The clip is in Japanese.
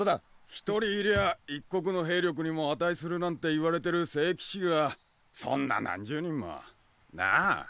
１人いりゃ一国の兵力にも値するなんて言われてる聖騎士がそんな何十人も。なあ？